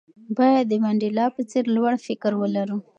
باید د منډېلا په څېر لوړ فکر ولرو.